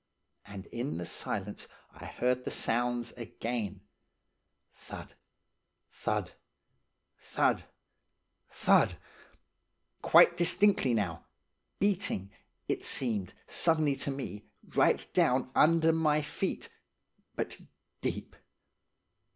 And in the silence I heard the sounds again–thud, thud, thud, thud! Quite distinctly now, beating, it seemed suddenly to me, right down under my feet, but deep.